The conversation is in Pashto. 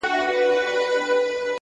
زه لرمه ډېر دولت دا هم علم هم آدب دی,